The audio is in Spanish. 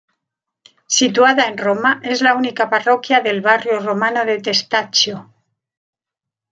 Situada en Roma, es la única parroquia del barrio romano de Testaccio.